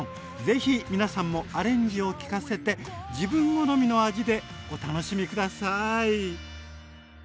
ぜひ皆さんもアレンジをきかせて自分好みの味でお楽しみ下さい！